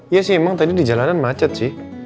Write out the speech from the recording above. ya sih emang tadi di jalanan macet sih